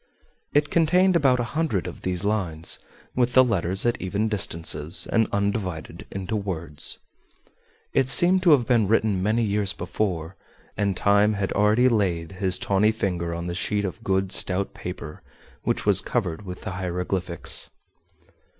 It contained about a hundred of these lines, with the letters at even distances, and undivided into words. It seemed to have been written many years before, and time had already laid his tawny finger on the sheet of good stout paper which was covered with the hieroglyphics.